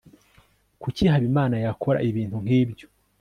kuki habimana yakora ibintu nkibyo